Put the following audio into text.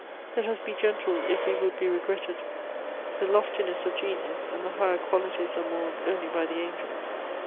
Let us be gentle if we would be regretted; the loftiness of genius and the higher qualities are mourned only by the angels.